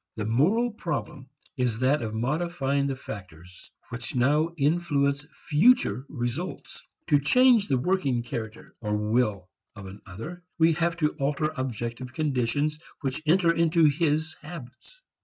The moral problem is that of modifying the factors which now influence future results. To change the working character or will of another we have to alter objective conditions which enter into his habits.